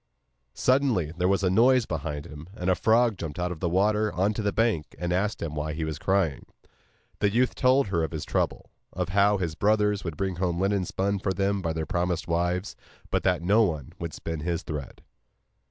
Suddenly there was a noise close beside him, and a frog jumped out of the water on to the bank and asked him why he was crying. The youth told her of his trouble, and how his brothers would bring home linen spun for them by their promised wives, but that no one would spin his thread.